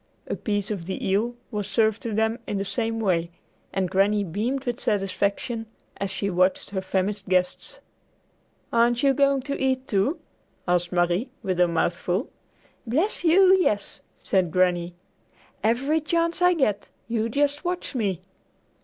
A piece of the eel was served to them in the same way, and Granny beamed with satisfaction as she watched her famished guests. "Aren't you going to eat, too?" asked Marie with her mouth full. "Bless you, yes," said Granny. "Every chance I get. You just watch me!"